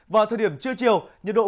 vào thời điểm chiều chiều